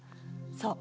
そう。